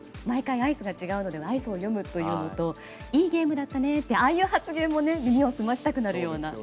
毎回アイスが違うのでアイスを読むというといいゲームだったねっていうああいう発言も耳を澄ましたくなるような。